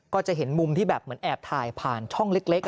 ก็จะเห็นมุมที่แบบเหมือนแอบถ่ายผ่านช่องเล็ก